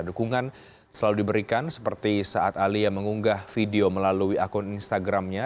dukungan selalu diberikan seperti saat alia mengunggah video melalui akun instagramnya